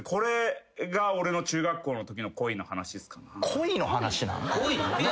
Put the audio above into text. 恋の話なん？